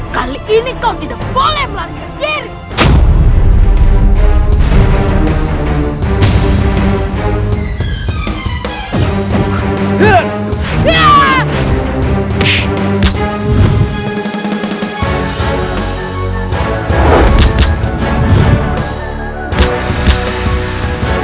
kali ini kau tidak boleh melarikan diri